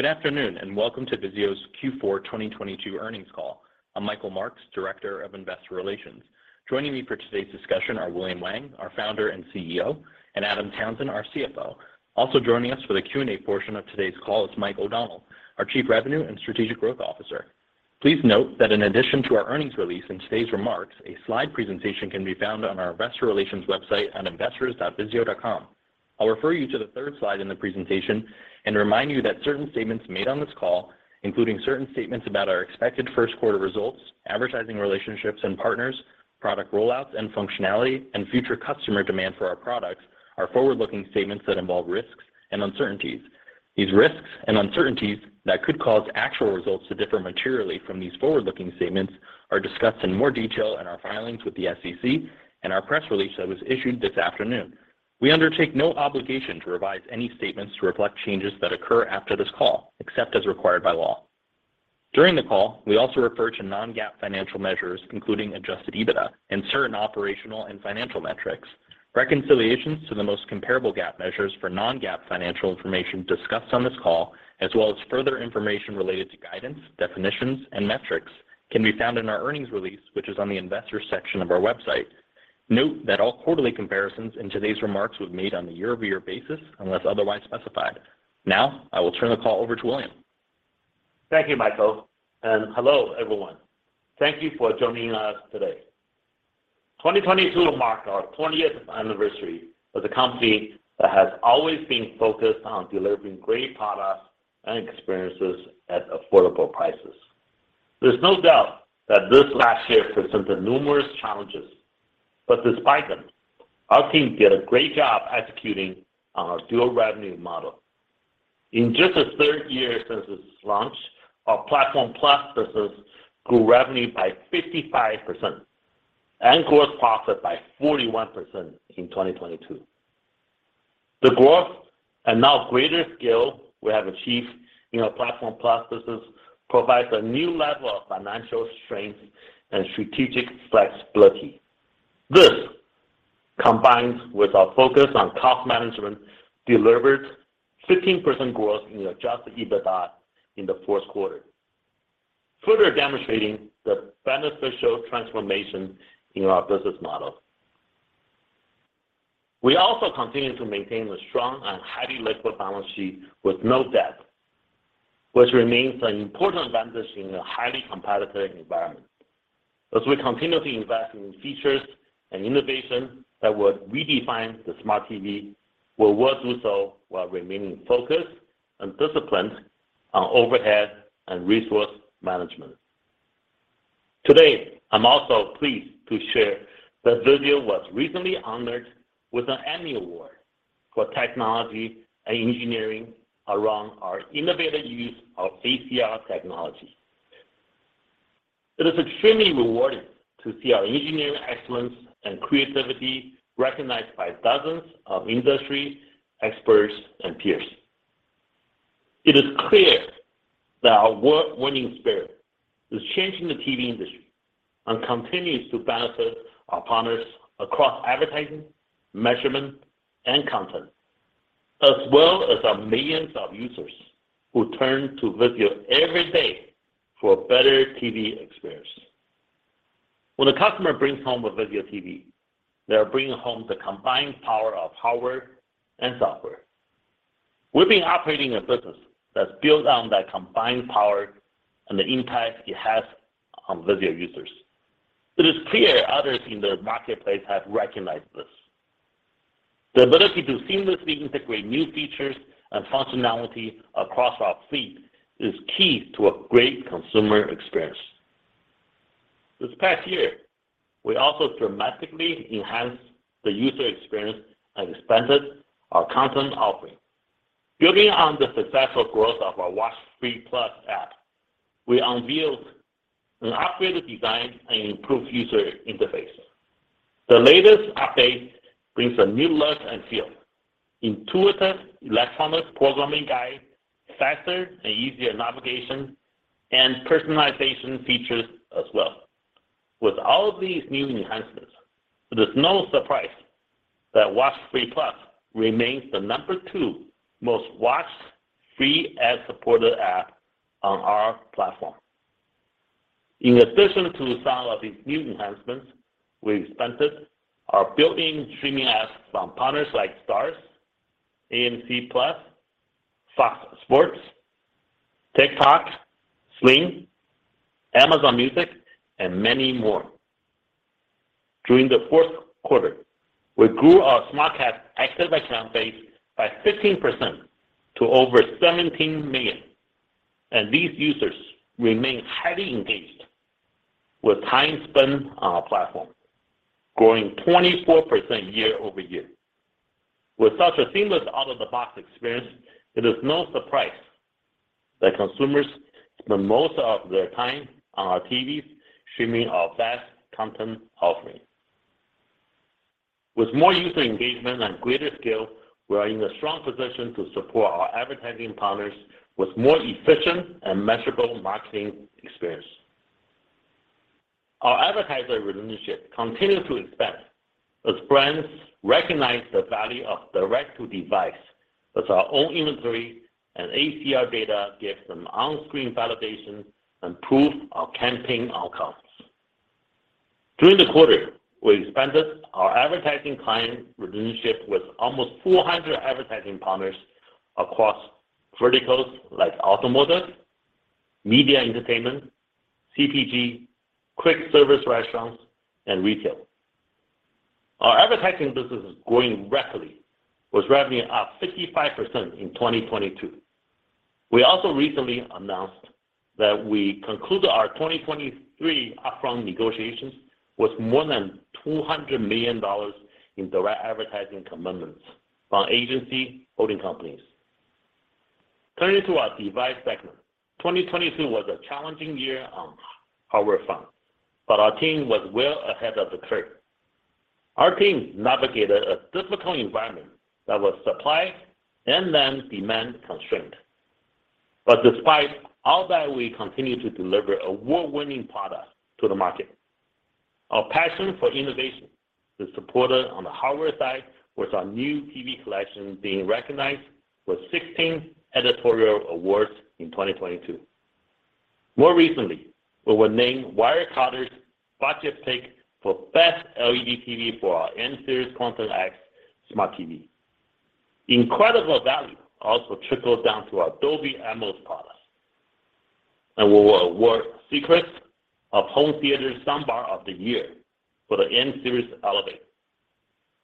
Good afternoon, and welcome to VIZIO's Q4 2022 earnings call. I'm Michael Marks, Director of Investor Relations. Joining me for today's discussion are William Wang, our Founder and CEO, and Adam Townsend, our CFO. Also joining us for the Q&A portion of today's call is Mike O'Donnell, our Chief Revenue and Strategic Growth Officer. Please note that in addition to our earnings release and today's remarks, a slide presentation can be found on our investor relations website at investors.vizio.com. I'll refer you to the third slide in the presentation and remind you that certain statements made on this call, including certain statements about our expected first quarter results, advertising relationships and partners, product rollouts and functionality, and future customer demand for our products, are forward-looking statements that involve risks and uncertainties. These risks and uncertainties that could cause actual results to differ materially from these forward-looking statements are discussed in more detail in our filings with the SEC and our press release that was issued this afternoon. We undertake no obligation to revise any statements to reflect changes that occur after this call, except as required by law. During the call, we also refer to non-GAAP financial measures, including Adjusted EBITDA and certain operational and financial metrics. Reconciliations to the most comparable GAAP measures for non-GAAP financial information discussed on this call, as well as further information related to guidance, definitions, and metrics, can be found in our earnings release, which is on the investors section of our website. Note that all quarterly comparisons in today's remarks were made on a year-over-year basis unless otherwise specified. I will turn the call over to William. Thank you, Michael, and hello, everyone. Thank you for joining us today. 2022 marked our 20th anniversary as a company that has always been focused on delivering great products and experiences at affordable prices. There's no doubt that this last year presented numerous challenges, but despite them, our team did a great job executing on our dual revenue model. In just the 3rd year since its launch, our Platform+ business grew revenue by 55% and gross profit by 41% in 2022. The growth and now greater scale we have achieved in our Platform+ business provides a new level of financial strength and strategic flexibility. This, combines with our focus on cost management, delivered 15% growth in Adjusted EBITDA in the fourth quarter, further demonstrating the beneficial transformation in our business model. We also continue to maintain a strong and highly liquid balance sheet with no debt, which remains an important advantage in a highly competitive environment. As we continue to invest in features and innovation that will redefine the smart TV, we will do so while remaining focused and disciplined on overhead and resource management. Today, I'm also pleased to share that VIZIO was recently honored with an Emmy Award for Technology and Engineering around our innovative use of ACR technology. It is extremely rewarding to see our engineering excellence and creativity recognized by dozens of industry experts and peers. It is clear that our award-winning spirit is changing the TV industry and continues to benefit our partners across advertising, measurement, and content, as well as our millions of users who turn to VIZIO every day for a better TV experience. When a customer brings home a VIZIO TV, they are bringing home the combined power of hardware and software. We've been operating a business that's built on that combined power and the impact it has on VIZIO users. It is clear others in the marketplace have recognized this. The ability to seamlessly integrate new features and functionality across our fleet is key to a great consumer experience. This past year, we also dramatically enhanced the user experience and expanded our content offering. Building on the successful growth of our WatchFree+ app, we unveiled an upgraded design and improved user interface. The latest update brings a new look and feel, intuitive electronic programming guide, faster and easier navigation, and personalization features as well. With all of these new enhancements, it is no surprise that WatchFree+ remains the numbertwo most-watched free ad-supported app on our platform. In addition to some of these new enhancements, we've expanded our built-in streaming apps from partners like STARZ, AMC+, FOX Sports, TikTok, Sling, Amazon Music, and many more. During the fourth quarter, we grew our SmartCast active account base by 15% to over 17 million, and these users remain highly engaged with time spent on our platform, growing 24% year-over-year. With such a seamless out-of-the-box experience, it is no surprise that consumers spend most of their time on our TVs streaming our vast content offering. With more user engagement and greater scale, we are in a strong position to support our advertising partners with more efficient and measurable marketing experience. Our advertiser relationships continue to expand as brands recognize the value of direct-to-device with our own inventory and ACR data gives them on-screen validation and proof of campaign outcomes. During the quarter, we expanded our advertising client relationship with almost 400 advertising partners across verticals like automotive, media entertainment, CPG, quick service restaurants, and retail. Our advertising business is growing rapidly, with revenue up 55% in 2022. We also recently announced that we concluded our 2023 upfront negotiations with more than $200 million in direct advertising commitments from agency holding companies. Turning to our device segment. 2022 was a challenging year on hardware front, our team was well ahead of the curve. Our team navigated a difficult environment that was supply and then demand constraint. Despite all that, we continued to deliver award-winning product to the market. Our passion for innovation is supported on the hardware side with our new TV collection being recognized with 16 editorial awards in 2022. More recently, we were named Wirecutter's Budget Pick for best LED TV for our M-Series Quantum X Smart TV. Incredible value also trickles down to our Dolby Atmos products. We were awarded Secrets of Home Theater Sound Bar of the Year for the M-Series Elevate.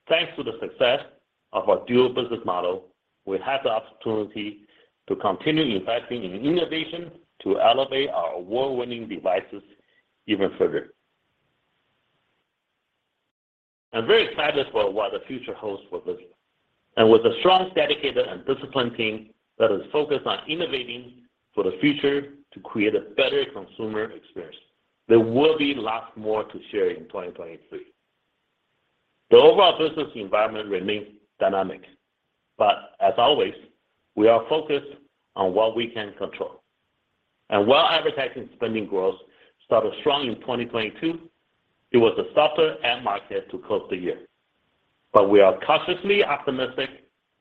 Thanks to the success of our dual business model, we have the opportunity to continue investing in innovation to elevate our award-winning devices even further. I'm very excited for what the future holds for VIZIO. With a strong, dedicated, and disciplined team that is focused on innovating for the future to create a better consumer experience, there will be lots more to share in 2023. The overall business environment remains dynamic, as always, we are focused on what we can control. While advertising spending growth started strong in 2022, it was a softer ad market to close the year. We are cautiously optimistic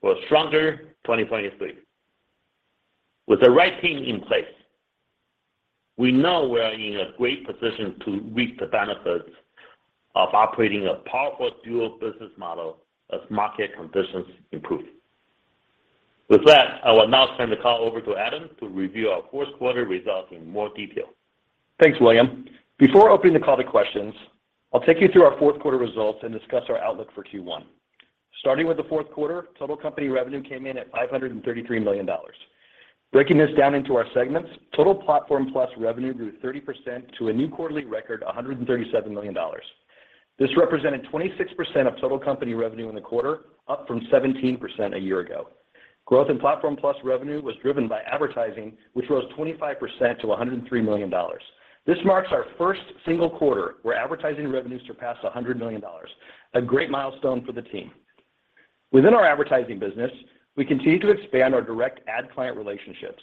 for a stronger 2023. With the right team in place, we know we are in a great position to reap the benefits of operating a powerful dual business model as market conditions improve. With that, I will now turn the call over to Adam to review our fourth quarter results in more detail. Thanks, William. Before opening the call to questions, I'll take you through our fourth quarter results and discuss our outlook for Q1. Starting with the fourth quarter, total company revenue came in at $533 million. Breaking this down into our segments, total Platform+ revenue grew 30% to a new quarterly record, $137 million. This represented 26% of total company revenue in the quarter, up from 17% a year ago. Growth in Platform+ revenue was driven by advertising, which rose 25% to $103 million. This marks our first single quarter where advertising revenue surpassed $100 million. A great milestone for the team. Within our advertising business, we continue to expand our direct ad client relationships.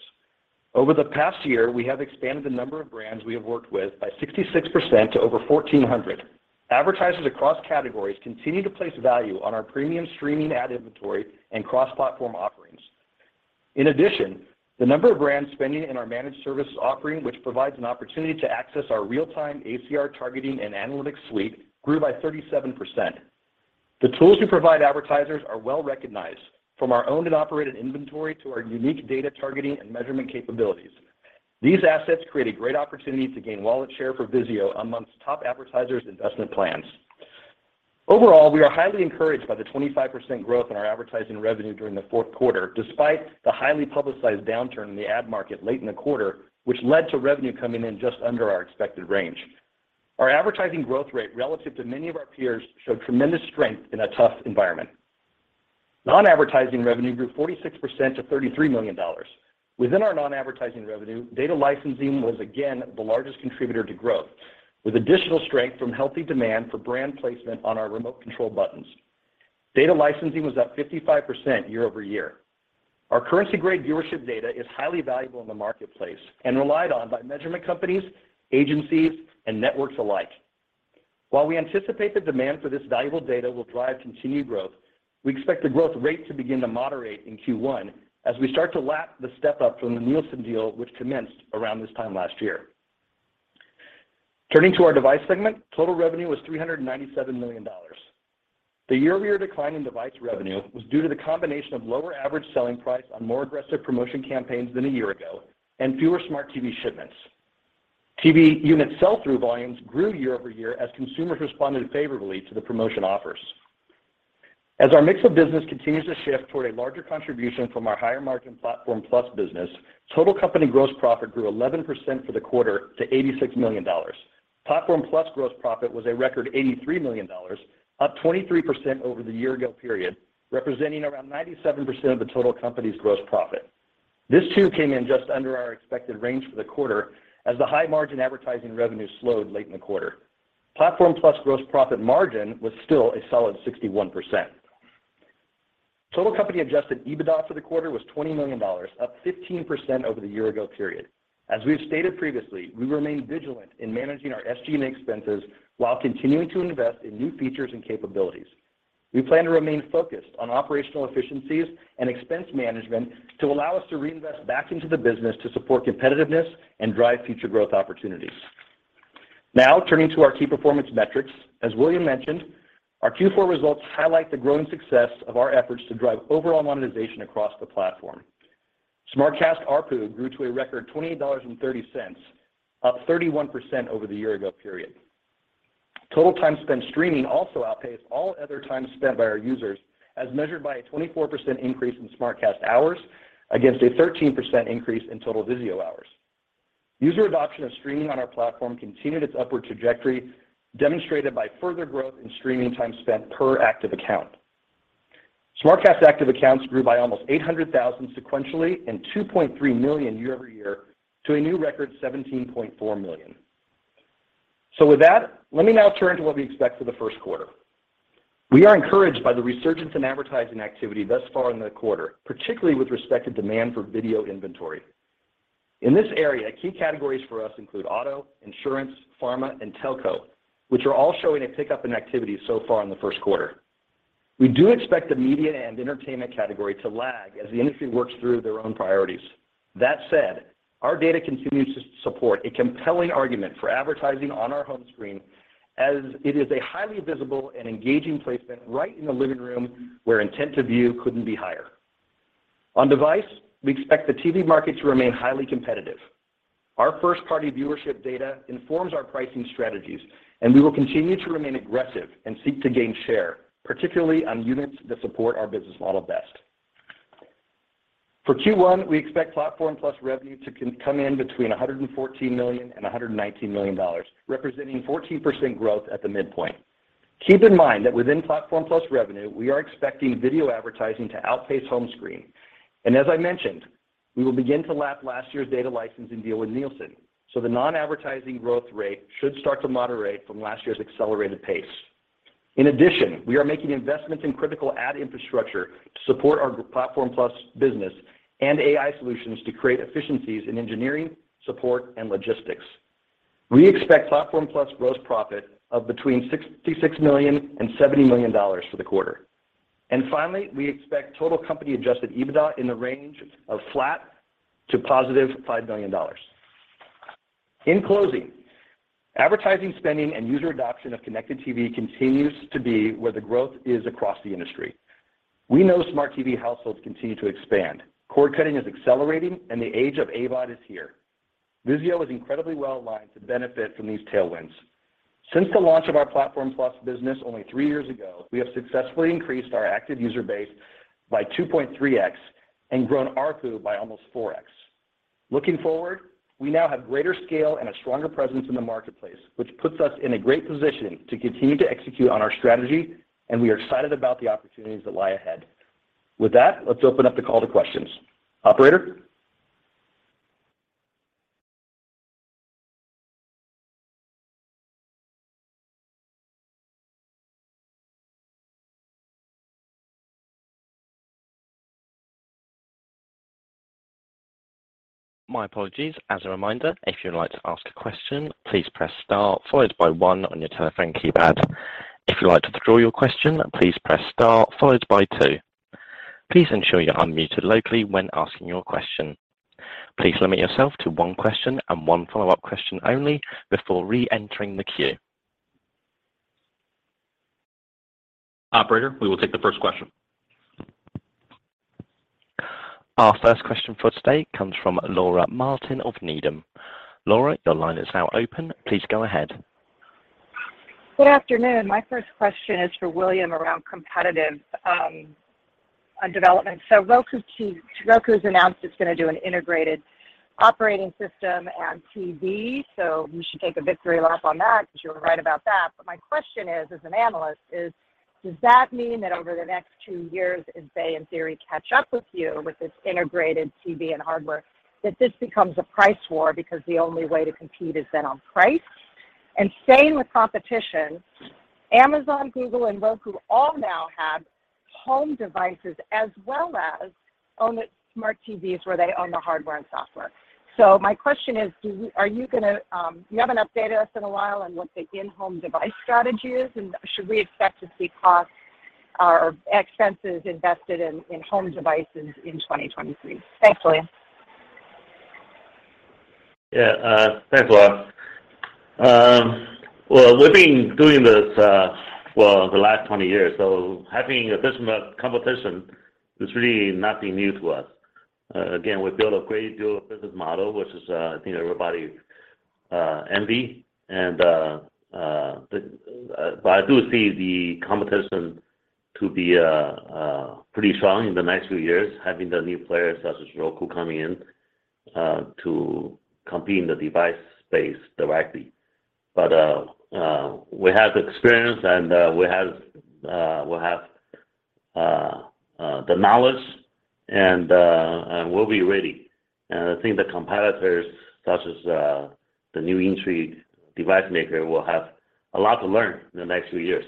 Over the past year, we have expanded the number of brands we have worked with by 66% to over 1,400. Advertisers across categories continue to place value on our premium streaming ad inventory and cross-platform offerings. In addition, the number of brands spending in our managed services offering, which provides an opportunity to access our real-time ACR targeting and analytics suite, grew by 37%. The tools we provide advertisers are well-recognized, from our owned and operated inventory to our unique data targeting and measurement capabilities. These assets create a great opportunity to gain wallet share for VIZIO amongst top advertisers' investment plans. Overall, we are highly encouraged by the 25% growth in our advertising revenue during the fourth quarter, despite the highly publicized downturn in the ad market late in the quarter, which led to revenue coming in just under our expected range. Our advertising growth rate relative to many of our peers showed tremendous strength in a tough environment. Non-advertising revenue grew 46% to $33 million. Within our non-advertising revenue, data licensing was again the largest contributor to growth, with additional strength from healthy demand for brand placement on our remote control buttons. Data licensing was up 55% year-over-year. Our currency-grade viewership data is highly valuable in the marketplace and relied on by measurement companies, agencies, and networks alike. While we anticipate the demand for this valuable data will drive continued growth, we expect the growth rate to begin to moderate in Q1 as we start to lap the step-up from the Nielsen deal which commenced around this time last year. Turning to our device segment, total revenue was $397 million. The year-over-year decline in device revenue was due to the combination of lower average selling price on more aggressive promotion campaigns than a year ago and fewer smart TV shipments. TV unit sell-through volumes grew year-over-year as consumers responded favorably to the promotion offers. As our mix of business continues to shift toward a larger contribution from our higher-margin Platform+ business, total company gross profit grew 11% for the quarter to $86 million. Platform+ gross profit was a record $83 million, up 23% over the year ago period, representing around 97% of the total company's gross profit. This too came in just under our expected range for the quarter as the high-margin advertising revenue slowed late in the quarter. Platform+ gross profit margin was still a solid 61%. Total company Adjusted EBITDA for the quarter was $20 million, up 15% over the year-ago period. As we have stated previously, we remain vigilant in managing our SG&A expenses while continuing to invest in new features and capabilities. We plan to remain focused on operational efficiencies and expense management to allow us to reinvest back into the business to support competitiveness and drive future growth opportunities. Turning to our key performance metrics. As William mentioned, our Q4 results highlight the growing success of our efforts to drive overall monetization across the platform. SmartCast ARPU grew to a record $28.30, up 31% over the year-ago period. Total time spent streaming also outpaced all other time spent by our users as measured by a 24% increase in SmartCast hours against a 13% increase in total VIZIO hours. User adoption of streaming on our platform continued its upward trajectory, demonstrated by further growth in streaming time spent per active account. SmartCast active accounts grew by almost 800,000 sequentially and 2.3 million year-over-year to a new record 17.4 million. With that, let me now turn to what we expect for the first quarter. We are encouraged by the resurgence in advertising activity thus far in the quarter, particularly with respect to demand for video inventory. In this area, key categories for us include auto, insurance, pharma, and telco, which are all showing a pickup in activity so far in the first quarter. We do expect the media and entertainment category to lag as the industry works through their own priorities. That said, our data continues to support a compelling argument for advertising on our home screen as it is a highly visible and engaging placement right in the living room where intent to view couldn't be higher. On device, we expect the TV market to remain highly competitive. Our first-party viewership data informs our pricing strategies, and we will continue to remain aggressive and seek to gain share, particularly on units that support our business model best. For Q1, we expect Platform Plus revenue to come in between $114 million and $119 million, representing 14% growth at the midpoint. Keep in mind that within Platform Plus revenue, we are expecting video advertising to outpace home screen. As I mentioned, we will begin to lap last year's data licensing deal with Nielsen, so the non-advertising growth rate should start to moderate from last year's accelerated pace. In addition, we are making investments in critical ad infrastructure to support our Platform+ business and AI solutions to create efficiencies in engineering, support, and logistics. We expect Platform+ gross profit of between $66 million and $70 million for the quarter. Finally, we expect total company-Adjusted EBITDA in the range of flat to positive $5 million. In closing, advertising spending and user adoption of connected TV continues to be where the growth is across the industry. We know smart TV households continue to expand. Cord cutting is accelerating and the age of AVOD is here. VIZIO is incredibly well aligned to benefit from these tailwinds. Since the launch of our Platform+ business only three years ago, we have successfully increased our active user base by 2.3x and grown ARPU by almost 4x. Looking forward, we now have greater scale and a stronger presence in the marketplace, which puts us in a great position to continue to execute on our strategy, and we are excited about the opportunities that lie ahead. With that, let's open up the call to questions. Operator? My apologies. As a reminder, if you would like to ask a question, please press star followed by one on your telephone keypad. If you'd like to withdraw your question, please press star followed by two. Please ensure you're unmuted locally when asking your question. Please limit yourself to one question and one follow-up question only before re-entering the queue. Operator, we will take the first question. Our first question for today comes from Laura Martin of Needham. Laura, your line is now open. Please go ahead. Good afternoon. My first question is for William around competitive development. Roku's announced it's gonna do an integrated operating system and TV, so you should take a victory lap on that, because you're right about that. My question is, as an analyst is, does that mean that over the next two years as they in theory catch up with you with this integrated TV and hardware, that this becomes a price war because the only way to compete is then on price? Same with competition, Amazon, Google and Roku all now have home devices as well as own smart TVs where they own the hardware and software. My question is, are you gonna... You haven't updated us in a while on what the in-home device strategy is. Should we expect to see costs or expenses invested in in-home devices in 2023? Thanks, William. Yeah. Thanks, Laura. Well, we've been doing this, well, the last 20 years. Having a bit of competition is really nothing new to us. Again, we built a great deal of business model, which is, I think everybody envy. I do see the competition to be pretty strong in the next few years, having the new players such as Roku coming in, to compete in the device space directly. We have the experience and we have the knowledge. We'll be ready. I think the competitors such as the new entry device maker will have a lot to learn in the next few years.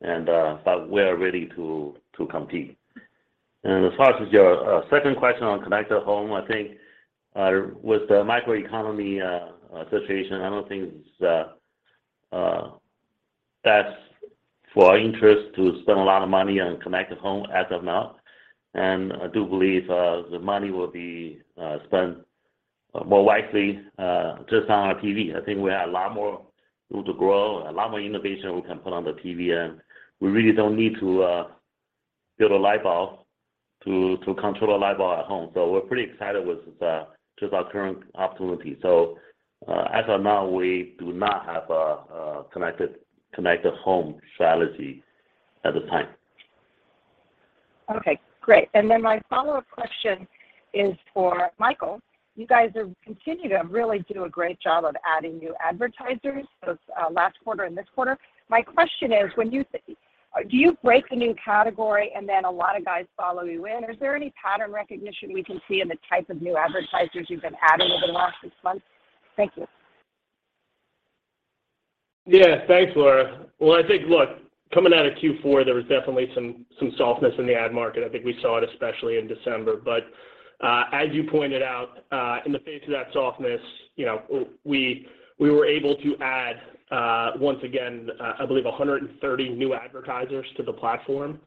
We're ready to compete. As far as your second question on connected home, I think with the macroeconomy association, I don't think that's for our interest to spend a lot of money on connected home as of now. I do believe the money will be spent more wisely just on our TV. I think we have a lot more room to grow and a lot more innovation we can put on the TV, and we really don't need to build a light bulb to control a light bulb at home. We're pretty excited with just our current opportunity. As of now, we do not have a connected home strategy at the time. Okay, great. My follow-up question is for Michael O'Donnell. You guys have continued to really do a great job of adding new advertisers both last quarter and this quarter. My question is, do you break a new category and a lot of guys follow you in? Is there any pattern recognition we can see in the type of new advertisers you've been adding over the last six months? Thank you. Yeah, thanks, Laura. Well, I think, look, coming out of Q4, there was definitely some softness in the ad market. I think we saw it especially in December. As you pointed out, in the face of that softness, you know, we were able to add, once again, I believe 130 new advertisers to the platform.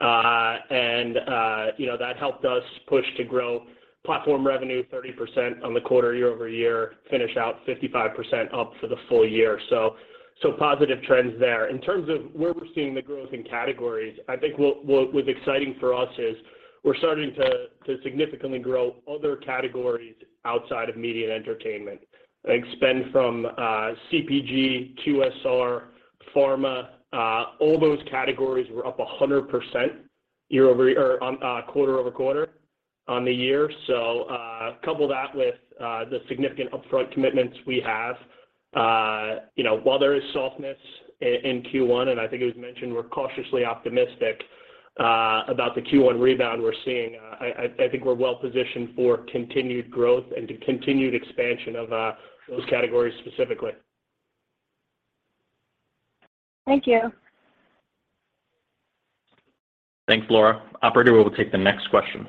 You know, that helped us push to grow platform revenue 30% on the quarter year-over-year, finish out 55% up for the full year. Positive trends there. In terms of where we're seeing the growth in categories, I think what was exciting for us is we're starting to significantly grow other categories outside of media and entertainment. I think spend from CPG, QSR, pharma, all those categories were up 100% year-over-year or on quarter-over-quarter on the year. Couple that with the significant upfront commitments we have. You know, while there is softness in Q1, and I think it was mentioned we're cautiously optimistic about the Q1 rebound we're seeing, I think we're well positioned for continued growth and to continued expansion of those categories specifically. Thank you. Thanks, Laura. Operator, we will take the next question.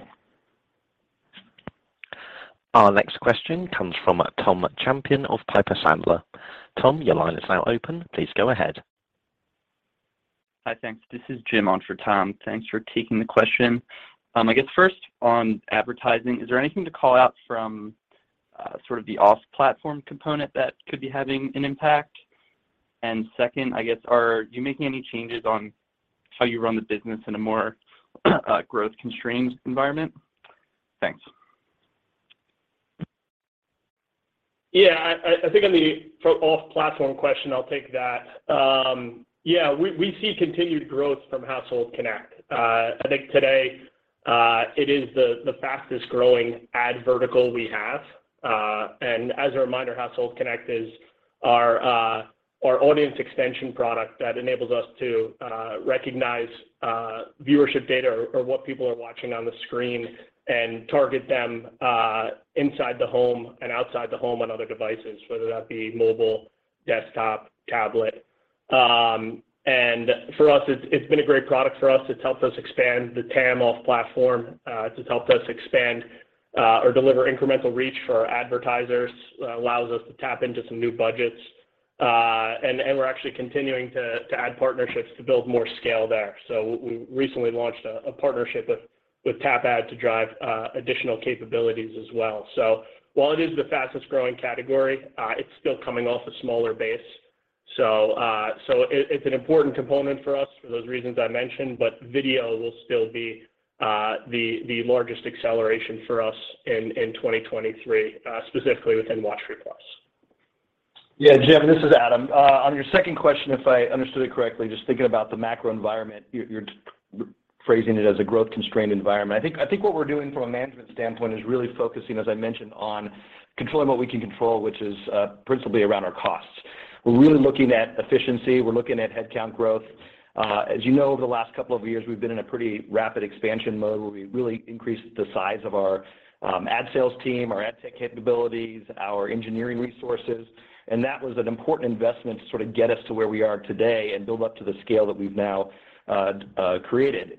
Our next question comes from Tom Champion of Piper Sandler. Tom, your line is now open. Please go ahead. Hi. Thanks. This is Jim on for Tom. Thanks for taking the question. I guess first on advertising, is there anything to call out from, sort of the off-platform component that could be having an impact? Second, I guess, are you making any changes on how you run the business in a more, growth-constrained environment? Thanks. Yeah. I think on the for off-platform question, I'll take that. Yeah, we see continued growth from Household Connect. I think today, it is the fastest-growing ad vertical we have. As a reminder, Household Connect is our audience extension product that enables us to recognize viewership data or what people are watching on the screen and target them inside the home and outside the home on other devices, whether that be mobile, desktop, tablet. For us, it's been a great product for us. It's helped us expand the TAM off platform, it's helped us expand or deliver incremental reach for our advertisers, allows us to tap into some new budgets. We're actually continuing to add partnerships to build more scale there. We recently launched a partnership with Tapad to drive additional capabilities as well. While it is the fastest-growing category, it's still coming off a smaller base. So it's an important component for us for those reasons I mentioned, but video will still be the largest acceleration for us in 2023, specifically within WatchFree+. Yeah. Jim, this is Adam. On your second question, if I understood it correctly, just thinking about the macro environment, you're phrasing it as a growth-constrained environment. I think what we're doing from a management standpoint is really focusing, as I mentioned, on controlling what we can control, which is principally around our costs. We're really looking at efficiency. We're looking at headcount growth. As you know, over the last couple of years, we've been in a pretty rapid expansion mode where we really increased the size of our ad sales team, our ad tech capabilities, our engineering resources. That was an important investment to sort of get us to where we are today and build up to the scale that we've now created.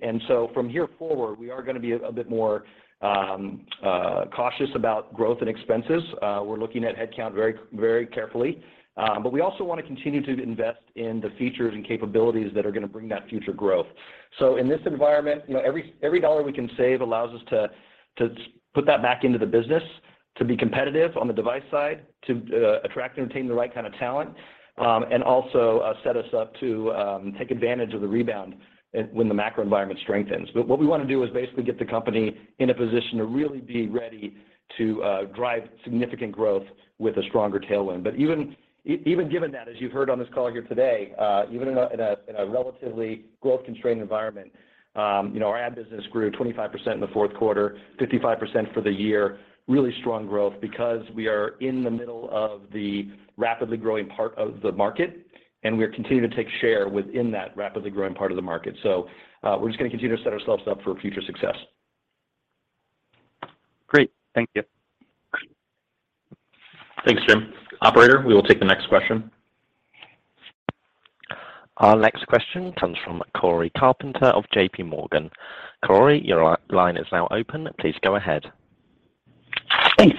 From here forward, we are gonna be a bit more cautious about growth and expenses. We're looking at headcount very carefully. We also wanna continue to invest in the features and capabilities that are gonna bring that future growth. In this environment, you know, every dollar we can save allows us to put that back into the business to be competitive on the device side, to attract and retain the right kind of talent, and also set us up to take advantage of the rebound and when the macro environment strengthens. What we wanna do is basically get the company in a position to really be ready to drive significant growth with a stronger tailwind. Even given that, as you've heard on this call here today, even in a relatively growth-constrained environment, you know, our ad business grew 25% in the fourth quarter, 55% for the year, really strong growth because we are in the middle of the rapidly growing part of the market. We're continuing to take share within that rapidly growing part of the market. We're just gonna continue to set ourselves up for future success. Great. Thank you. Thanks, Jim. Operator, we will take the next question. Our next question comes from Cory Carpenter of JPMorgan. Cory, your line is now open. Please go ahead. Thanks.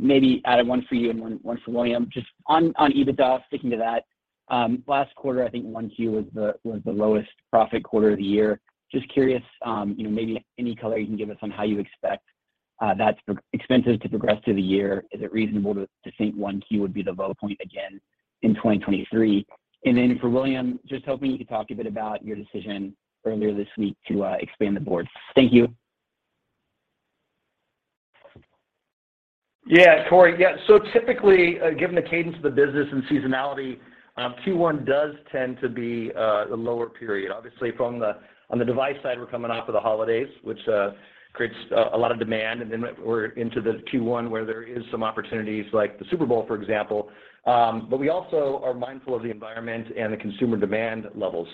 Maybe Adam, one for you and one for William. Just on EBITDA, sticking to that, last quarter, I think Q1 was the lowest profit quarter of the year. Just curious, you know, maybe any color you can give us on how you expect that's expenses to progress through the year. Is it reasonable to think Q1 would be the low point again in 2023? For William, just hoping you could talk a bit about your decision earlier this week to expand the board. Thank you. Yeah, Cory. Yeah, typically, given the cadence of the business and seasonality, Q1 does tend to be the lower period. Obviously from the, on the device side, we're coming off of the holidays, which creates a lot of demand. We're into the Q1 where there is some opportunities like the Super Bowl, for example. We also are mindful of the environment and the consumer demand levels.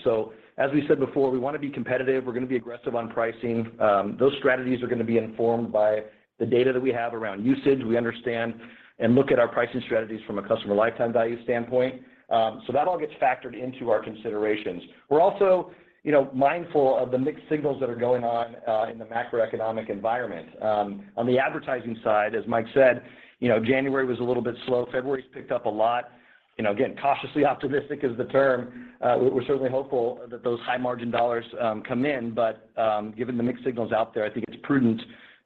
As we said before, we wanna be competitive. We're gonna be aggressive on pricing. Those strategies are gonna be informed by the data that we have around usage. We understand and look at our pricing strategies from a customer lifetime value standpoint. That all gets factored into our considerations. We're also, you know, mindful of the mixed signals that are going on in the macroeconomic environment. On the advertising side, as Mike said, you know, January was a little bit slow. February's picked up a lot. You know, again, cautiously optimistic is the term. We're certainly hopeful that those high margin dollars come in, but given the mixed signals out there, I think it's prudent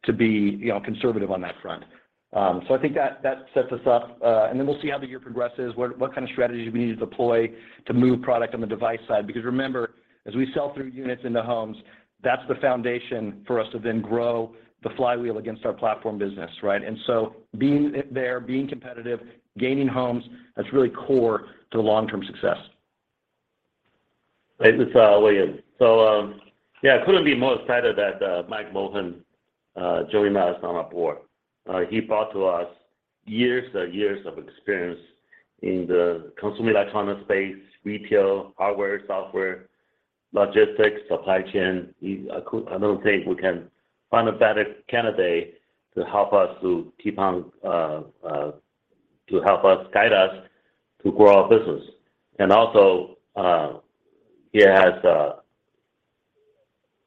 to be, you know, conservative on that front. I think that sets us up, and then we'll see how the year progresses, what kind of strategies we need to deploy to move product on the device side. Remember, as we sell through units into homes, that's the foundation for us to then grow the flywheel against our platform business, right? Being there, being competitive, gaining homes, that's really core to the long-term success. It's William. Yeah, I couldn't be more excited that Mike Mohan joining us on our board. He brought to us years and years of experience in the consumer electronic space, retail, hardware, software, logistics, supply chain. I don't think we can find a better candidate to help us to keep on to help us guide us to grow our business. Also, he has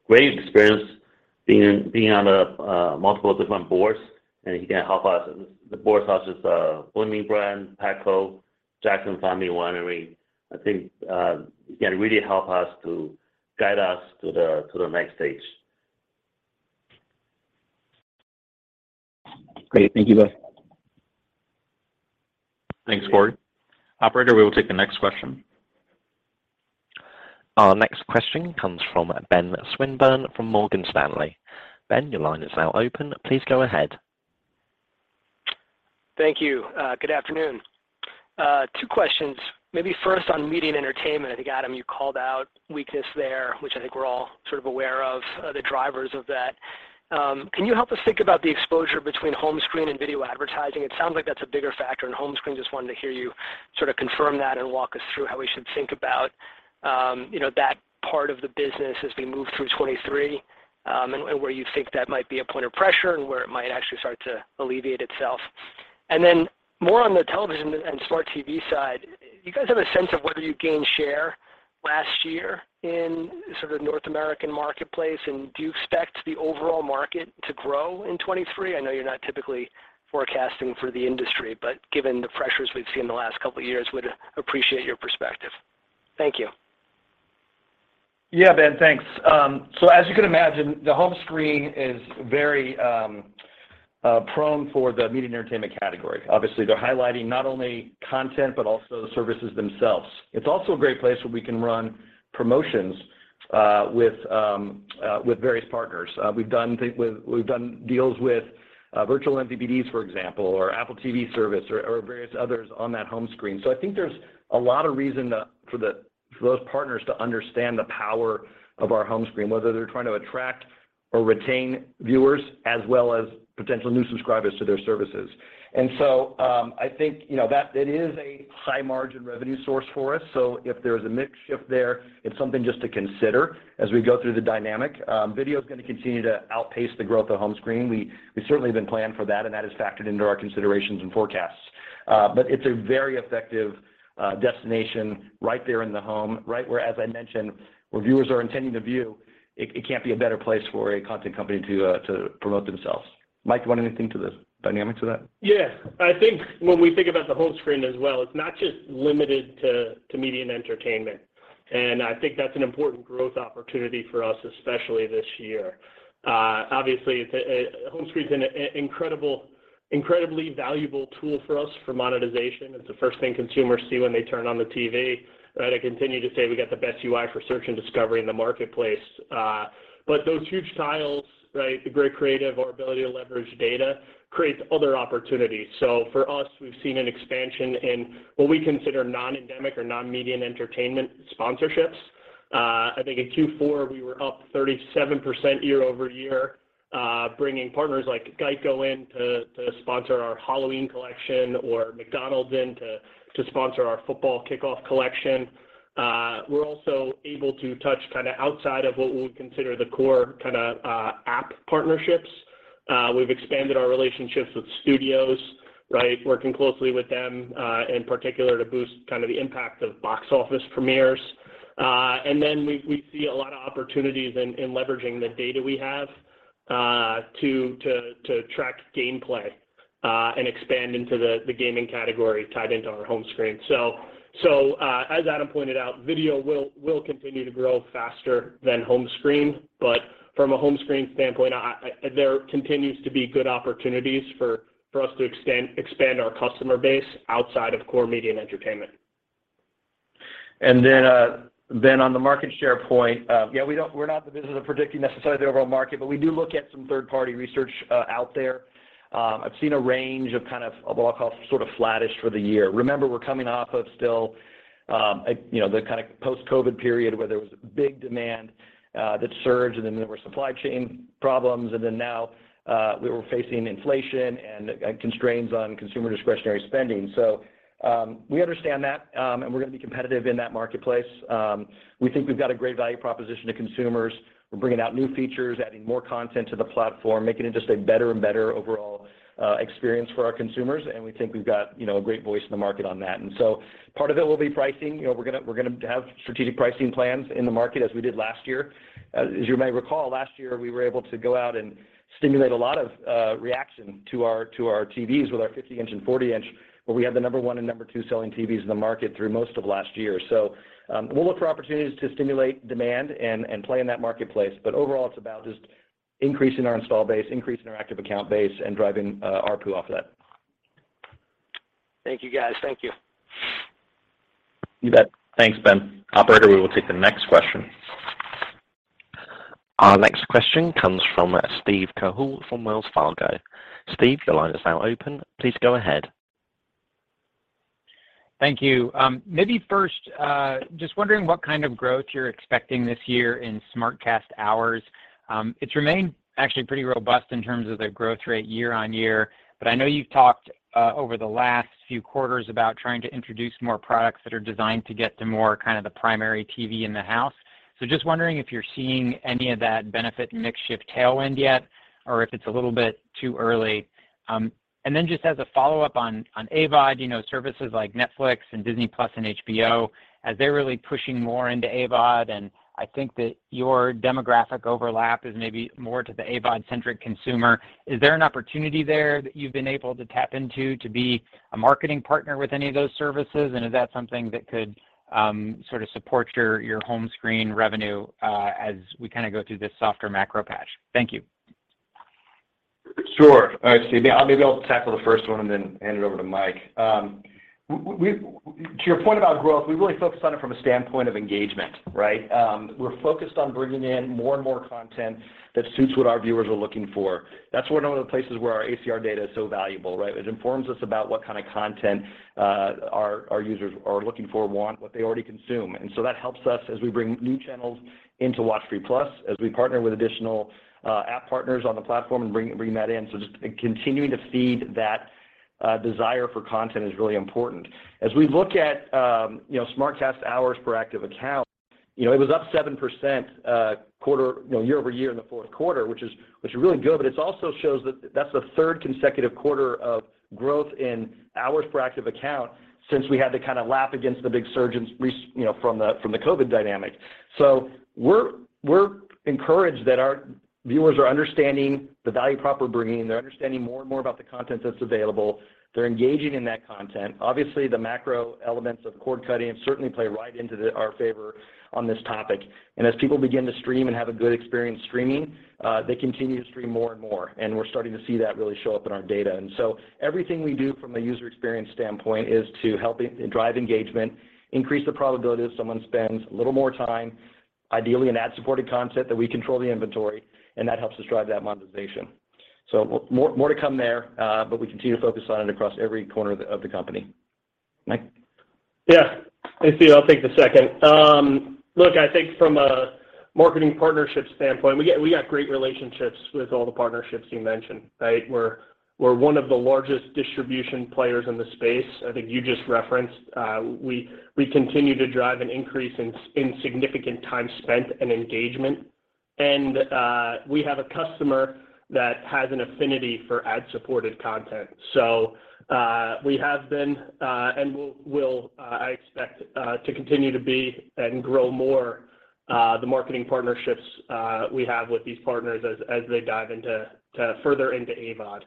great experience being on multiple different boards, and he can help us. The board such as Bloomin' Brands, Petco, Jackson Family Wines. I think he can really help us to guide us to the next stage. Great. Thank you both. Thanks, Cory. Operator, we will take the next question. Our next question comes from Ben Swinburne from Morgan Stanley. Ben, your line is now open. Please go ahead. Thank you. Good afternoon. Two questions, maybe first on media and entertainment. I think, Adam, you called out weakness there, which I think we're all sort of aware of, the drivers of that. Can you help us think about the exposure between home screen and video advertising? It sounds like that's a bigger factor in home screen. Just wanted to hear you sort of confirm that and walk us through how we should think about, you know, that part of the business as we move through 23, and where you think that might be a point of pressure and where it might actually start to alleviate itself. More on the television and smart TV side, do you guys have a sense of whether you gained share last year in sort of North American marketplace, and do you expect the overall market to grow in 23? I know you're not typically forecasting for the industry, but given the pressures we've seen the last couple of years, would appreciate your perspective. Thank you. Yeah, Ben. Thanks. As you can imagine, the home screen is very prone for the media and entertainment category. Obviously, they're highlighting not only content but also the services themselves. It's also a great place where we can run promotions with various partners. We've done deals with virtual MVPDs, for example, or Apple TV service or various others on that home screen. I think there's a lot of reason to, for the, for those partners to understand the power of our home screen, whether they're trying to attract or retain viewers as well as potential new subscribers to their services. I think, you know, that it is a high margin revenue source for us. If there's a mix shift there, it's something just to consider as we go through the dynamic. Video is gonna continue to outpace the growth of home screen. We certainly have been planned for that, and that is factored into our considerations and forecasts. But it's a very effective destination right there in the home, right where, as I mentioned, where viewers are intending to view. It can't be a better place for a content company to promote themselves. Mike, you want anything to the dynamics of that? Yeah. I think when we think about the home screen as well, it's not just limited to media and entertainment. I think that's an important growth opportunity for us, especially this year. Obviously, the home screen's an incredibly valuable tool for us for monetization. It's the first thing consumers see when they turn on the TV, right? I continue to say we got the best UI for search and discovery in the marketplace. Those huge tiles, right, the great creative, our ability to leverage data creates other opportunities. For us, we've seen an expansion in what we consider non-endemic or non-media and entertainment sponsorships. I think in Q4 we were up 37% year-over-year, bringing partners like Geico in to sponsor our Halloween collection or McDonald's in to sponsor our football kickoff collection. We're also able to touch kinda outside of what we would consider the core kinda, app partnerships. We've expanded our relationships with studios, right? Working closely with them, in particular to boost kind of the impact of box office premieres. We see a lot of opportunities in leveraging the data we have, to track gameplay, and expand into the gaming category tied into our home screen. As Adam pointed out, video will continue to grow faster than home screen, but from a home screen standpoint, there continues to be good opportunities for us to expand our customer base outside of core media and entertainment. Then on the market share point, we're not in the business of predicting necessarily the overall market, but we do look at some third-party research out there. I've seen a range of kind of what I'll call sort of flattish for the year. Remember, we're coming off of still, you know, the kind of post-COVID period where there was big demand that surged, there were supply chain problems, now we were facing inflation and constraints on consumer discretionary spending. We understand that, and we're going to be competitive in that marketplace. We think we've got a great value proposition to consumers. We're bringing out new features, adding more content to the platform, making it just a better and better overall experience for our consumers, and we think we've got, you know, a great voice in the market on that. Part of it will be pricing. You know, we're gonna have strategic pricing plans in the market as we did last year. As you may recall, last year we were able to go out and stimulate a lot of reaction to our, to our TVs with our 50-inch and 40-inch, where we had the number one and number two selling TVs in the market through most of last year. We'll look for opportunities to stimulate demand and play in that marketplace. Overall, it's about just increasing our install base, increasing our active account base, and driving ARPU off that. Thank you, guys. Thank you. You bet. Thanks, Ben. Operator, we will take the next question. Our next question comes from Steve Cahall from Wells Fargo. Steve, your line is now open. Please go ahead. Thank you. Maybe first, just wondering what kind of growth you're expecting this year in SmartCast hours. It's remained actually pretty robust in terms of the growth rate year-over-year, but I know you've talked over the last few quarters about trying to introduce more products that are designed to get to more kind of the primary TV in the house. Just wondering if you're seeing any of that benefit in mix shift tailwind yet, or if it's a little bit too early? Just as a follow-up on AVOD, you know, services like Netflix and Disney+ and HBO, as they're really pushing more into AVOD, and I think that your demographic overlap is maybe more to the AVOD-centric consumer, is there an opportunity there that you've been able to tap into to be a marketing partner with any of those services? Is that something that could, sort of support your home screen revenue, as we kinda go through this softer macro patch? Thank you. Sure. All right, Steve. Maybe I'll tackle the first one and then hand it over to Mike O'Donnell. To your point about growth, we really focus on it from a standpoint of engagement, right? We're focused on bringing in more and more content that suits what our viewers are looking for. That's one of the places where our ACR data is so valuable, right? It informs us about what kind of content, our users are looking for, want, what they already consume. That helps us as we bring new channels into WatchFree+, as we partner with additional app partners on the platform and bring that in. Just continuing to feed that desire for content is really important. As we look at SmartCast hours per active account, it was up 7% quarter year-over-year in the fourth quarter, which is really good, but it also shows that that's the third consecutive quarter of growth in hours per active account since we had to kinda lap against the big surges from the COVID dynamic. We're encouraged that our viewers are understanding the value prop we're bringing. They're understanding more and more about the content that's available. They're engaging in that content. Obviously, the macro elements of cord cutting certainly play right into our favor on this topic. As people begin to stream and have a good experience streaming, they continue to stream more and more. We're starting to see that really show up in our data. Everything we do from a user experience standpoint is to help drive engagement, increase the probability that someone spends a little more time, ideally in ad-supported content that we control the inventory, and that helps us drive that monetization. More to come there, but we continue to focus on it across every corner of the company. Mike? Yeah. Hey, Steve, I'll take the second. Look, I think from a marketing partnership standpoint, we got great relationships with all the partnerships you mentioned, right? We're one of the largest distribution players in the space. I think you just referenced, we continue to drive an increase in significant time spent and engagement. We have a customer that has an affinity for ad-supported content. We have been and will I expect to continue to be and grow more the marketing partnerships we have with these partners as they dive into further into AVOD.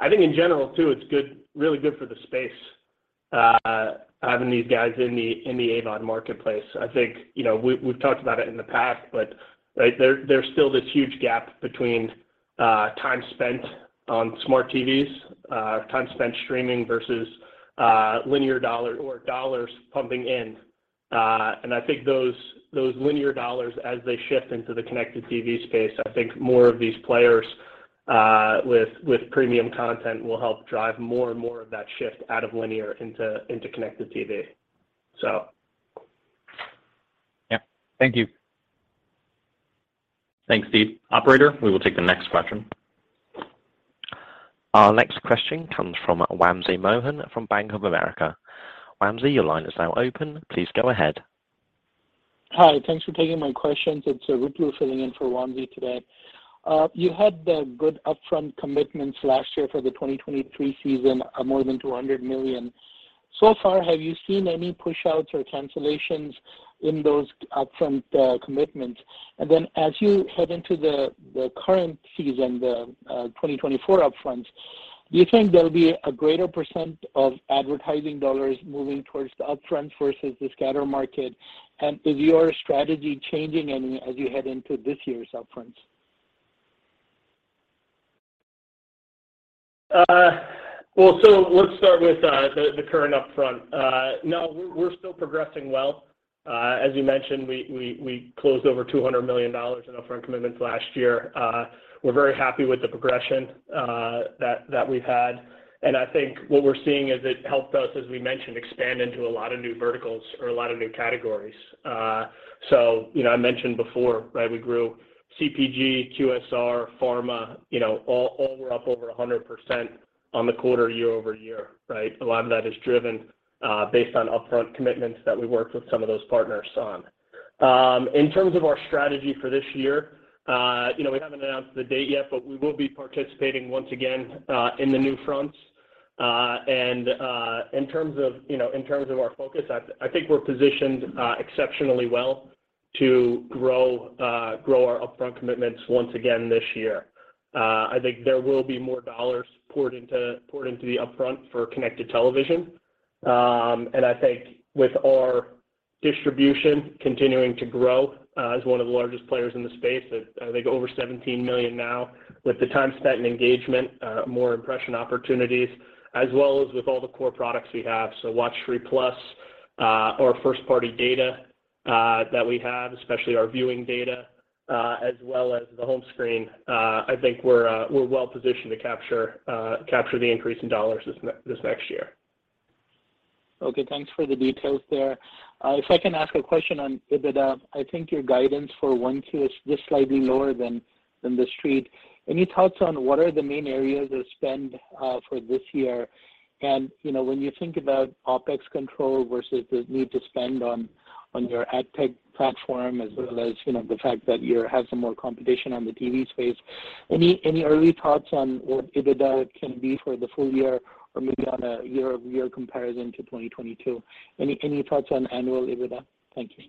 I think in general too, it's good, really good for the space, having these guys in the AVOD marketplace. I think, you know, we've talked about it in the past, but, right, there's still this huge gap between time spent on smart TVs, time spent streaming versus linear dollar or dollars pumping in. I think those linear dollars as they shift into the connected TV space, I think more of these players with premium content will help drive more and more of that shift out of linear into connected TV. Yeah. Thank you. Thanks, Steve. Operator, we will take the next question. Our next question comes from Wamsi Mohan from Bank of America. Wamsi, your line is now open. Please go ahead. Hi. Thanks for taking my questions. It's Ruplu filling in for Wamsi today. You had the good upfront commitments last year for the 2023 season of more than $200 million. So far, have you seen any push-outs or cancellations in those upfront commitments? As you head into the current season, the 2024 upfront, do you think there'll be a greater % of advertising dollars moving towards the upfront versus the scatter market? Is your strategy changing any as you head into this year's upfront? Well, let's start with the current upfront. We're still progressing well. As you mentioned, we closed over $200 million in upfront commitments last year. We're very happy with the progression that we've had, and I think what we're seeing is it helped us, as we mentioned, expand into a lot of new verticals or a lot of new categories. You know, I mentioned before, right, we grew CPG, QSR, pharma, you know, all were up over 100% on the quarter year-over-year, right? A lot of that is driven based on upfront commitments that we worked with some of those partners on. In terms of our strategy for this year, you know, we haven't announced the date yet, but we will be participating once again in the NewFronts. In terms of, you know, in terms of our focus, I think we're positioned exceptionally well to grow our upfront commitments once again this year. I think there will be more dollars poured into the upfront for connected television. I think with our distribution continuing to grow, as one of the largest players in the space, I think over 17 million now, with the time spent in engagement, more impression opportunities, as well as with all the core products we have. WatchFree+, our first party data, that we have, especially our viewing data, as well as the home screen, I think we're well-positioned to capture the increase in dollars this next year. Okay, thanks for the details there. If I can ask a question on EBITDA, I think your guidance for 1Q is just slightly lower than the street. Any thoughts on what are the main areas of spend for this year? You know, when you think about OpEx control versus the need to spend on your ad tech platform, as well as, you know, the fact that you have some more competition on the TV space, any early thoughts on what EBITDA can be for the full year or maybe on a year-over-year comparison to 2022? Any thoughts on annual EBITDA? Thank you.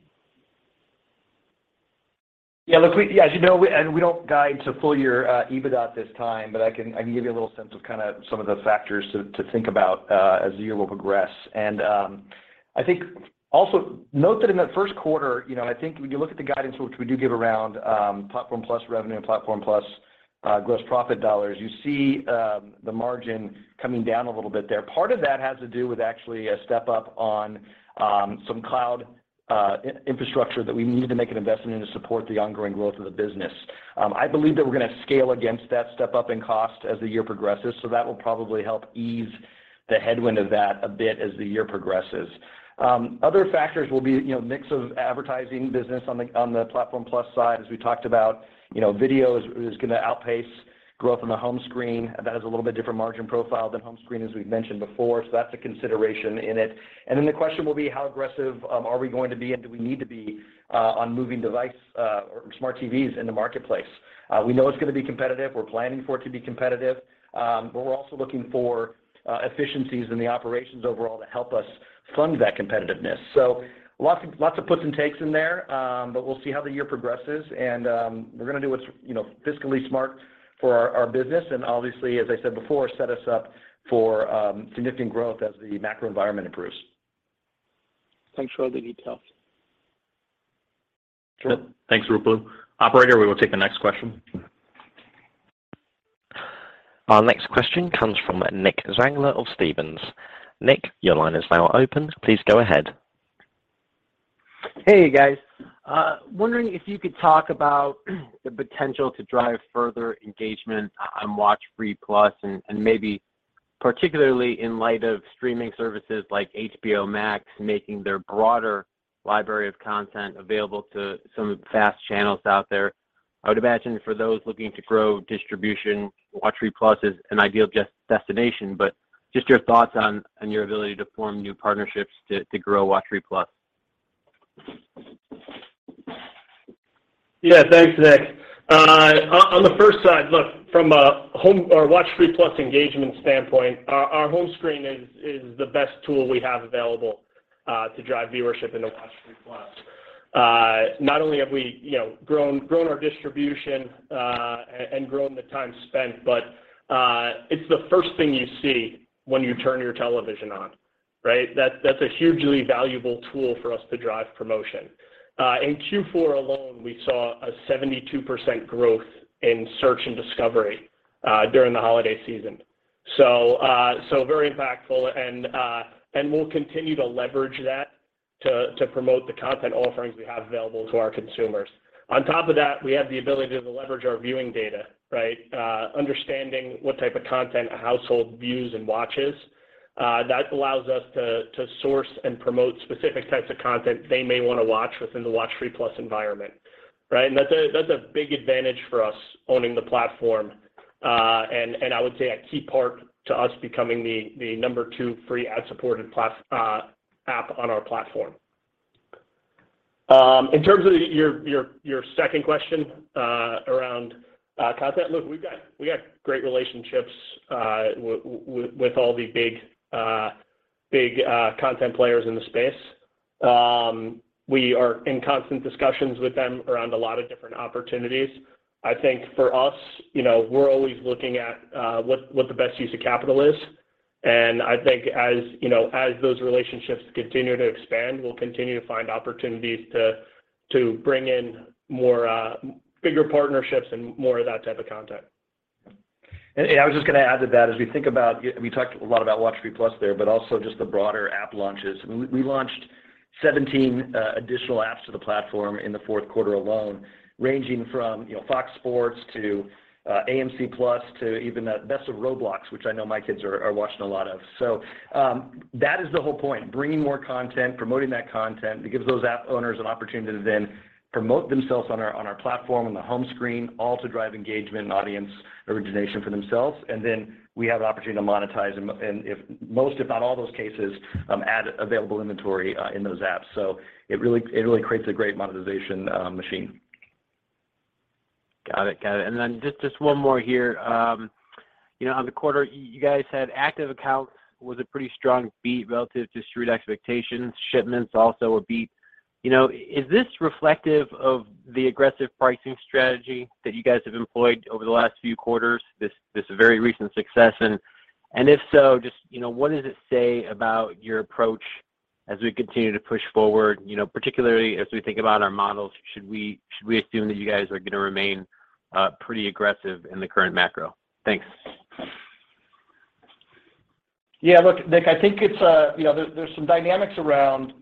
As you know, we don't guide to full year EBITDA at this time, but I can give you a little sense of kinda some of the factors to think about as the year will progress. I think also note that in the first quarter, you know, and I think when you look at the guidance, which we do give around Platform+ revenue and Platform+ gross profit dollars, you see the margin coming down a little bit there. Part of that has to do with actually a step up on some cloud infrastructure that we needed to make an investment in to support the ongoing growth of the business. I believe that we're gonna scale against that step up in cost as the year progresses. That will probably help ease the headwind of that a bit as the year progresses. Other factors will be, you know, mix of advertising business on the Platform+ side, as we talked about. You know, video is gonna outpace growth on the home screen. That has a little bit different margin profile than home screen, as we've mentioned before. That's a consideration in it. The question will be how aggressive are we going to be and do we need to be on moving device or smart TVs in the marketplace? We know it's gonna be competitive. We're planning for it to be competitive. We're also looking for efficiencies in the operations overall to help us fund that competitiveness. Lots of puts and takes in there, we'll see how the year progresses and we're going to do what's, you know, fiscally smart for our business and obviously, as I said before, set us up for significant growth as the macro environment improves. Thanks for all the details. Sure. Thanks, Ruplu. Operator, we will take the next question. Our next question comes from Nick Zangler of Stephens. Nick, your line is now open. Please go ahead. Hey, guys. wondering if you could talk about the potential to drive further engagement on WatchFree+ and maybe particularly in light of streaming services like HBO Max making their broader library of content available to some fast channels out there. I would imagine for those looking to grow distribution, WatchFree+ is an ideal destination, but just your thoughts on your ability to form new partnerships to grow WatchFree+. Yeah, thanks, Nick. On the first side, look, from a home or Watchfree+ engagement standpoint, our home screen is the best tool we have available to drive viewership into Watchfree+. Not only have we, you know, grown our distribution and grown the time spent, it's the first thing you see when you turn your television on, right? That's a hugely valuable tool for us to drive promotion. In Q4 alone, we saw a 72% growth in search and discovery during the holiday season. Very impactful and we'll continue to leverage that. To promote the content offerings we have available to our consumers. On top of that, we have the ability to leverage our viewing data, right? Understanding what type of content a household views and watches, that allows us to source and promote specific types of content they may wanna watch within the WatchFree+ environment, right? That's a big advantage for us owning the platform. I would say a key part to us becoming the number two free ad-supported app on our platform. In terms of your second question, around content. Look, we've got great relationships with all the big content players in the space. We are in constant discussions with them around a lot of different opportunities. I think for us, you know, we're always looking at, what the best use of capital is. I think as, you know, as those relationships continue to expand, we'll continue to find opportunities to bring in more, bigger partnerships and more of that type of content. I was just gonna add to that. We talked a lot about WatchFree+ there, but also just the broader app launches. We launched 17 additional apps to the platform in the fourth quarter alone, ranging from, you know, FOX Sports to AMC+ to even Best of Roblox, which I know my kids are watching a lot of. That is the whole point, bringing more content, promoting that content. It gives those app owners an opportunity to then promote themselves on our platform, on the home screen, all to drive engagement and audience origination for themselves. Then we have an opportunity to monetize and if most, if not all those cases, add available inventory in those apps. It really creates a great monetization machine. Got it. Got it. Just one more here. You know, on the quarter, you guys had active accounts was a pretty strong beat relative to street expectations. Shipments also a beat. You know, is this reflective of the aggressive pricing strategy that you guys have employed over the last few quarters, this very recent success? If so, just, you know, what does it say about your approach as we continue to push forward? You know, particularly as we think about our models, should we assume that you guys are gonna remain pretty aggressive in the current macro? Thanks. Yeah. Look, Nick, I think it's, you know, there's some dynamics around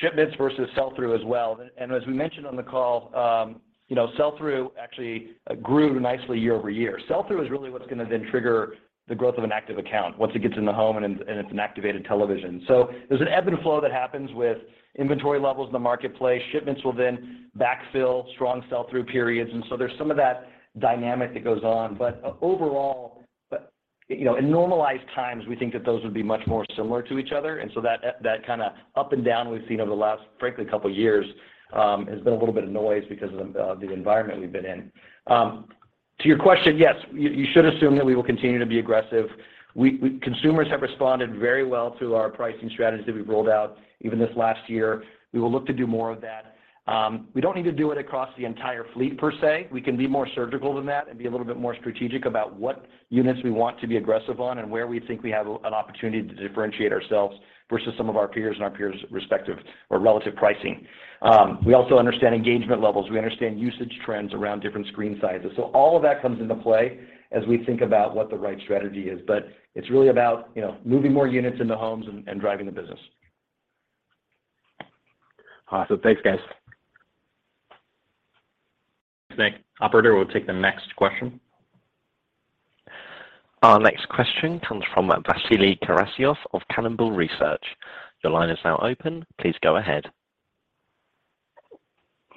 shipments versus sell-through as well. As we mentioned on the call, you know, sell-through actually grew nicely year-over-year. Sell-through is really what's gonna then trigger the growth of an active account once it gets in the home and it's, and it's an activated television. There's an ebb and flow that happens with inventory levels in the marketplace. Shipments will then backfill strong sell-through periods, and so there's some of that dynamic that goes on. Overall, but, you know, in normalized times, we think that those would be much more similar to each other. That kinda up and down we've seen over the last, frankly, couple years, has been a little bit of noise because of the environment we've been in. To your question, yes, you should assume that we will continue to be aggressive. Consumers have responded very well to our pricing strategy that we've rolled out even this last year. We will look to do more of that. We don't need to do it across the entire fleet per se. We can be more surgical than that and be a little bit more strategic about what units we want to be aggressive on and where we think we have an opportunity to differentiate ourselves versus some of our peers and our peers' respective or relative pricing. We also understand engagement levels. We understand usage trends around different screen sizes. All of that comes into play as we think about what the right strategy is. It's really about, you know, moving more units into homes and driving the business. Awesome. Thanks, guys. Thanks, Nick. Operator, we'll take the next question. Our next question comes from Vasily Karasyov of Cannonball Research. Your line is now open. Please go ahead.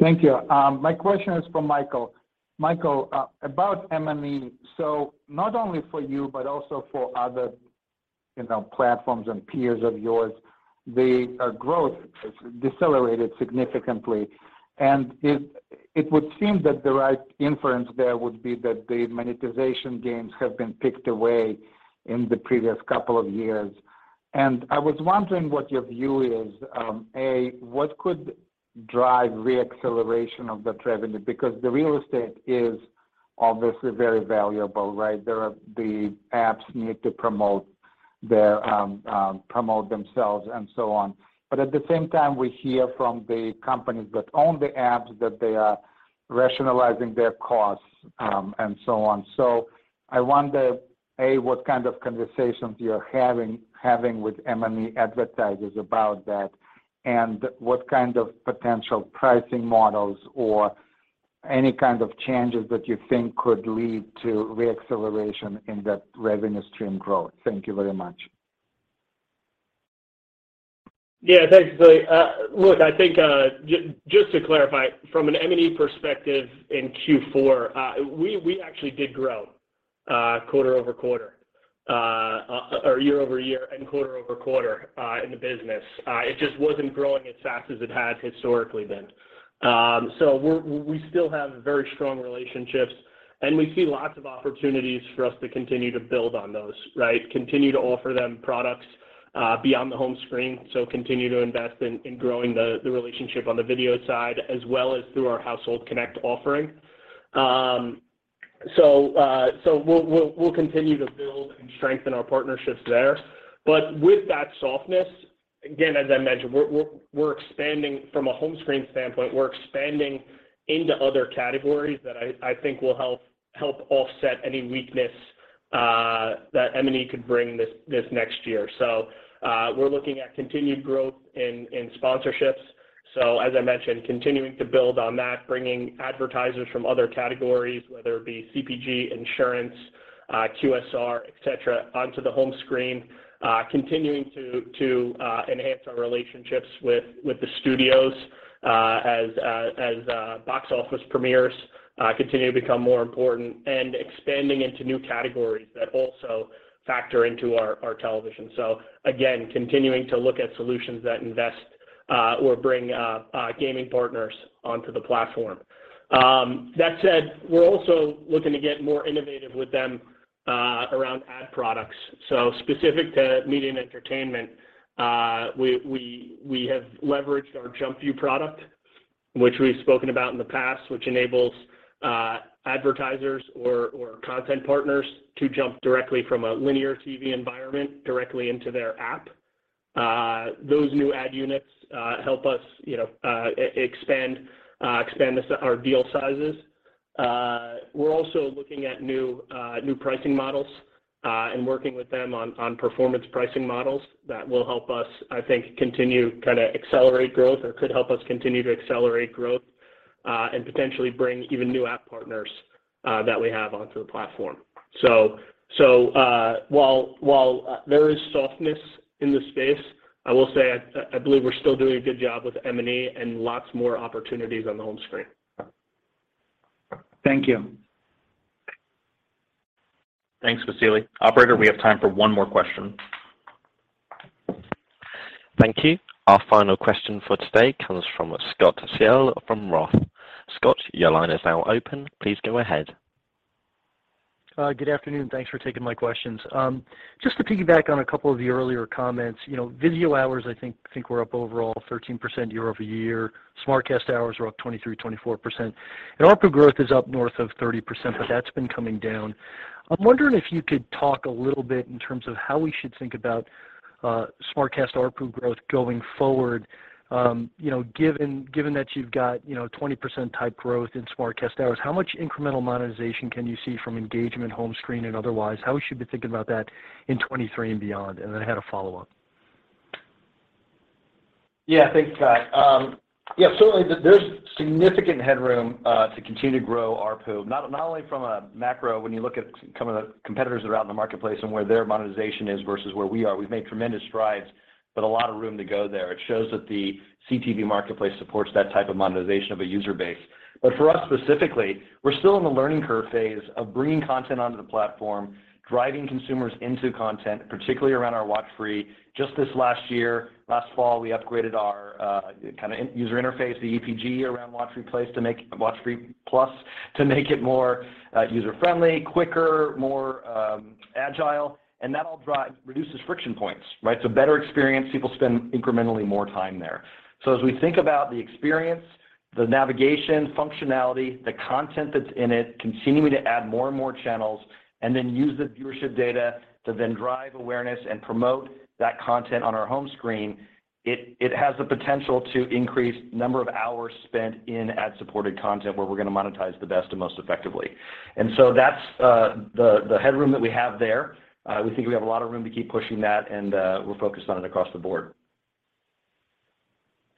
Thank you. My question is for Michael. Michael, about M&E. Not only for you but also for other, you know, platforms and peers of yours, the growth has decelerated significantly. It, it would seem that the right inference there would be that the monetization gains have been picked away in the previous couple of years. I was wondering what your view is, A, what could drive re-acceleration of that revenue? Because the real estate is obviously very valuable, right? The apps need to promote their promote themselves and so on. At the same time, we hear from the companies that own the apps that they are rationalizing their costs, and so on. I wonder, A, what kind of conversations you're having with M&E advertisers about that, and what kind of potential pricing models or any kind of changes that you think could lead to re-acceleration in that revenue stream growth? Thank you very much. Thanks, Vasily. Look, I think, just to clarify, from an M&E perspective in Q4, we actually did grow, quarter-over-quarter, or year-over-year and quarter-over-quarter, in the business. It just wasn't growing as fast as it had historically been. So we still have very strong relationships, and we see lots of opportunities for us to continue to build on those, right? Continue to offer them products, beyond the home screen, so continue to invest in growing the relationship on the video side as well as through our Household Connect offering. So we'll continue to build and strengthen our partnerships there. With that softness, again, as I mentioned, we're expanding from a home screen standpoint. We're expanding into other categories that I think will help offset any weakness. That M&E could bring this next year. We're looking at continued growth in sponsorships. As I mentioned, continuing to build on that, bringing advertisers from other categories, whether it be CPG, insurance, QSR, et cetera, onto the home screen. Continuing to enhance our relationships with the studios, as box office premieres continue to become more important and expanding into new categories that also factor into our television. Again, continuing to look at solutions that invest or bring gaming partners onto the platform. That said, we're also looking to get more innovative with them around ad products. Specific to media and entertainment, we have leveraged our Jump View product, which we've spoken about in the past, which enables advertisers or content partners to jump directly from a linear TV environment directly into their app. Those new ad units help us, you know, expand our deal sizes. We're also looking at new pricing models and working with them on performance pricing models that will help us, I think, continue to kind of accelerate growth or could help us continue to accelerate growth, and potentially bring even new app partners that we have onto the platform. While there is softness in the space, I will say I believe we're still doing a good job with M&E and lots more opportunities on the home screen. Thank you. Thanks, Vasily. Operator, we have time for one more question. Thank you. Our final question for today comes from Scott Searle from Roth. Scott, your line is now open. Please go ahead. Good afternoon. Thanks for taking my questions. Just to piggyback on a couple of the earlier comments. You know, VIZIO hours, I think we're up overall 13% year-over-year. SmartCast hours are up 23%, 24%. ARPU growth is up north of 30%, but that's been coming down. I'm wondering if you could talk a little bit in terms of how we should think about SmartCast ARPU growth going forward. You know, given that you've got, you know, 20% type growth in SmartCast hours, how much incremental monetization can you see from engagement home screen and otherwise? How we should be thinking about that in 2023 and beyond? I had a follow-up. Thanks, Scott. certainly there's significant headroom to continue to grow ARPU, not only from a macro when you look at some of the competitors that are out in the marketplace and where their monetization is versus where we are. We've made tremendous strides, but a lot of room to go there. It shows that the CTV marketplace supports that type of monetization of a user base. for us specifically, we're still in the learning curve phase of bringing content onto the platform, driving consumers into content, particularly around our WatchFree+. Just this last year, last fall, we upgraded our kinda user interface, the EPG around WatchFree+ to make it more user-friendly, quicker, more agile, and that all reduces friction points, right? Better experience, people spend incrementally more time there. As we think about the experience, the navigation, functionality, the content that's in it, continuing to add more and more channels, and then use the viewership data to then drive awareness and promote that content on our home screen, it has the potential to increase number of hours spent in ad-supported content where we're gonna monetize the best and most effectively. That's the headroom that we have there. We think we have a lot of room to keep pushing that, and we're focused on it across the board.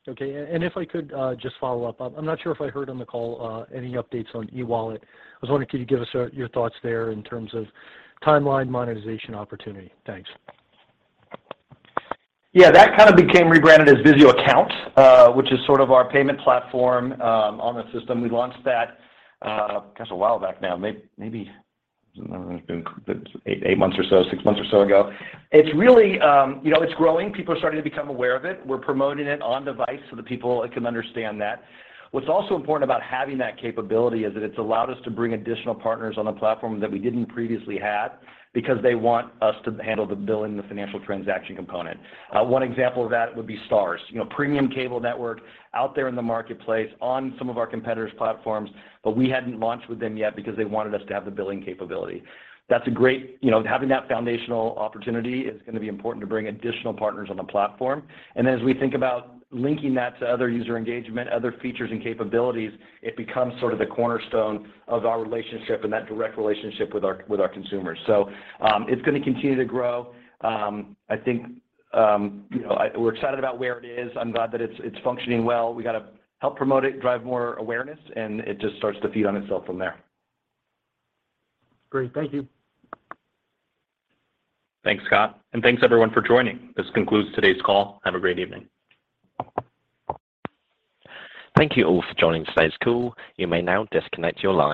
Okay. If I could, just follow up. I'm not sure if I heard on the call, any updates on e-wallet. I was wondering could you give us, your thoughts there in terms of timeline monetization opportunity. Thanks. That kind of became rebranded as VIZIO Account, which is sort of our payment platform on the system. We launched that, gosh, a while back now, maybe, I don't know, it's been eight months or so, six months or so ago. It's really, you know, it's growing. People are starting to become aware of it. We're promoting it on device so the people can understand that. What's also important about having that capability is that it's allowed us to bring additional partners on the platform that we didn't previously have because they want us to handle the billing and the financial transaction component. One example of that would be STARZ. You know, premium cable network out there in the marketplace on some of our competitors' platforms, we hadn't launched with them yet because they wanted us to have the billing capability. You know, having that foundational opportunity is gonna be important to bring additional partners on the platform. As we think about linking that to other user engagement, other features and capabilities, it becomes sort of the cornerstone of our relationship and that direct relationship with our consumers. It's gonna continue to grow. You know, we're excited about where it is. I'm glad that it's functioning well. We gotta help promote it, drive more awareness, and it just starts to feed on itself from there. Great. Thank you. Thanks, Scott, and thanks everyone for joining. This concludes today's call. Have a great evening. Thank you all for joining today's call. You may now disconnect your line.